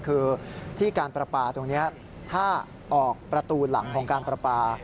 คือที่การประปาตรงนี้ถ้าออกประตูหลังของการประปา